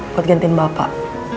buat gantiin bapak